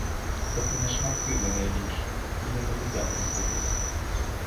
Та ти на шматки мене ріж, і я не віддам її тобі!